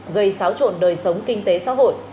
gây xáo trộn đời sống kinh tế xã hội